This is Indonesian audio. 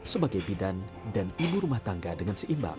sebagai bidan dan ibu rumah tangga dengan seimbang